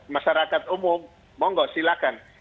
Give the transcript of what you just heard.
masyarakat umum mau nggak silahkan